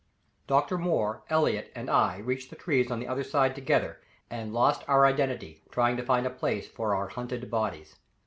Dr. Moore, Elliott and I reached the trees on the other side together, and lost our identity trying to find a place for our hunted bodies.